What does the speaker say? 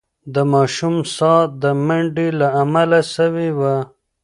د ماشوم ساه د منډې له امله سوې وه.